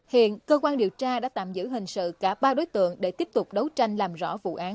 hiện cơ quan điều tra đã tạm giữ hình sự cả ba đối tượng để tiếp tục đấu tranh làm rõ vụ án